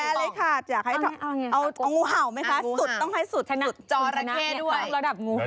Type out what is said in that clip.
เอางูเห่าไหมคะ